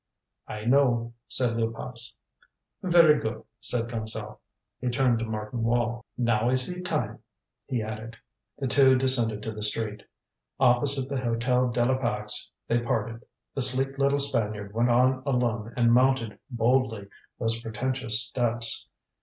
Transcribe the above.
"I know," said Luypas. "Very good," said Gonzale. He turned to Martin Wall. "Now is the time," he added. The two descended to the street. Opposite the Hotel de la Pax they parted. The sleek little Spaniard went on alone and mounted boldly those pretentious steps.